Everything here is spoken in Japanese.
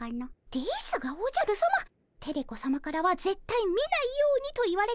ですがおじゃるさまテレ子さまからはぜったい見ないようにと言われておりますが。